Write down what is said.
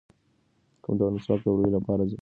کوم ډول مسواک د ووریو لپاره زیات ګټور دی؟